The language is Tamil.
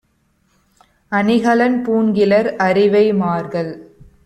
அணிகலன் பூண்கிலர் அரிவை மார்கள்!